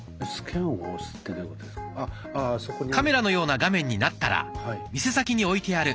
カメラのような画面になったら店先に置いてある